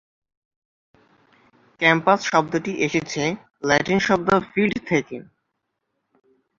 Campus শব্দটি এসেছে Latin শব্দ "ফিল্ড" থেকে।